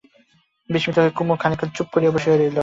বিস্মিত হয়ে কুমু খানিকক্ষণ চুপ করে বসে রইল।